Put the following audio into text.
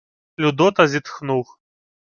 Людота зітхнув.